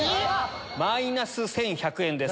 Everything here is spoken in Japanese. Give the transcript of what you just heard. マイナス１１００円です。